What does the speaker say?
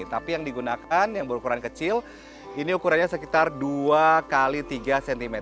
tapi yang digunakan yang berukuran kecil ini ukurannya sekitar dua x tiga cm